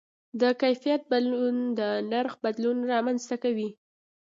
د کیفیت بدلون د نرخ بدلون رامنځته کوي.